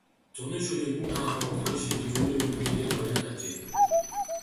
Зуны шөнийн гүн харанхуй удалгүй шингэрч үүрийн өмнөх гэгээ туяарах ажээ.